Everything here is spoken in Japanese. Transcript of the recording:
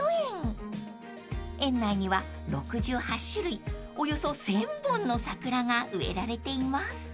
［園内には６８種類およそ１，０００本の桜が植えられています］